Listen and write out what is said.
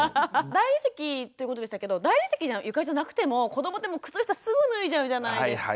大理石ということでしたけど大理石の床じゃなくても子どもって靴下すぐ脱いじゃうじゃないですか。